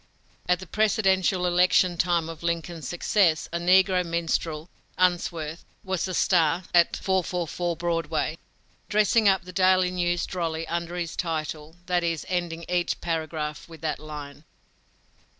At the presidential election time of Lincoln's success, a negro minstrel, Unsworth, was a "star" at "444" Broadway, dressing up the daily news drolly under this title that is, ending each paragraph with that line.